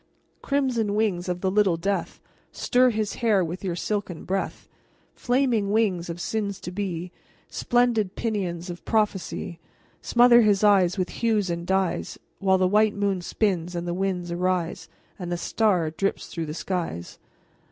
Crimson wings of the Little Death, Stir his hair with your silken breath; Flaming wings of sins to be, Splendid pinions of prophecy, Smother his eyes with hues and dyes, While the white moon spins and the winds arise, And the stars drip through the skies.